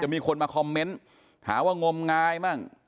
จะมีคนมาคอมเมนต์ถามว่างมงายบ้าง